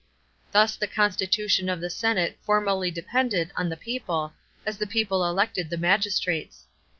Thus the constitution of the senate formally depended on the people, as the people elected the magistrates.